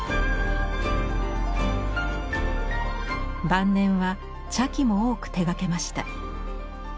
晩年は茶器も多く手がけました。